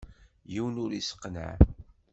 Yiwen ur isseqneɛ.